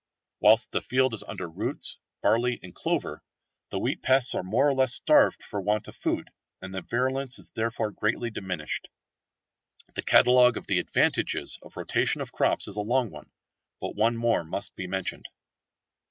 Whilst the field is under roots, barley, and clover, the wheat pests are more or less starved for want of food, and their virulence is thereby greatly diminished. The catalogue of the advantages of rotation of crops is a long one but one more must be mentioned.